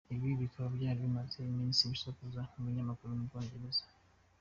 Ibi bikaba byari bimaze iminsi bisakuza mu binyamakuru mu Bwongereza.